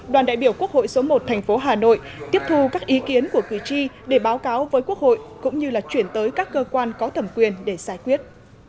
đoàn đại biểu quốc hội số một thành phố hà nội tiếp thu các ý kiến của cử tri để báo cáo với quốc hội cũng như là chuyển tới các cơ quan có thẩm quyền để giải quyết